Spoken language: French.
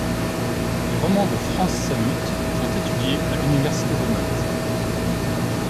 Les romans de Frans Sammut sont étudiés à l'Université de Malte.